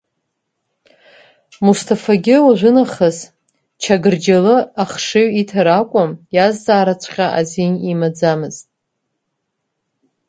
Мусҭафагьы уажәы нахыс Чақырџьалы ахшыҩ иҭара акәым, иазҵаараҵәҟьа азин имаӡамызт.